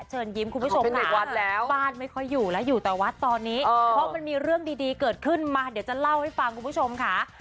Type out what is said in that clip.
เชิญยิ้มคุณผู้ชมค่ะ